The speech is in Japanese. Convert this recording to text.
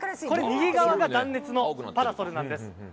右側が断熱のパラソルなんです。